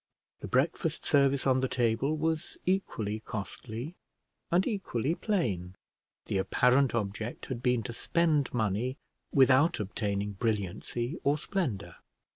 The breakfast service on the table was equally costly and equally plain; the apparent object had been to spend money without obtaining brilliancy or splendour.